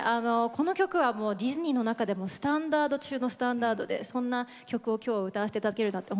この曲はディズニーの中でもスタンダード中のスタンダードでそんな曲を、きょうは歌わせていただけるなんて